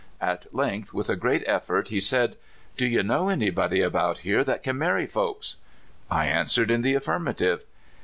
At length, with a great effort, he said: '* Do 3^ou know anybody about here that can marry folks? " I answered in the affirmative.